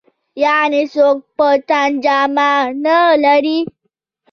يعنې څوک په تن جامه نه لري.